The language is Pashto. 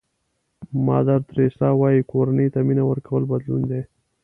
مادر تریسیا وایي کورنۍ ته مینه ورکول بدلون دی.